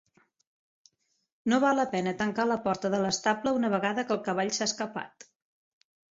No val la pena tancar la porta de l'estable una vegada que el cavall s'ha escapat.